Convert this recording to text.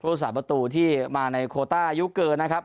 ผู้สาปตูที่มาในโคต้ายุเกินนะครับ